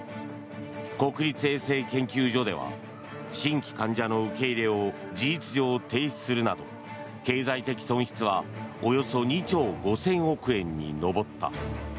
国立衛生研究所では新規患者の受け入れを事実上、停止するなど経済的損失はおよそ２兆５０００億円に上った。